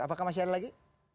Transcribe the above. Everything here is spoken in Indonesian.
apakah masih ada lagi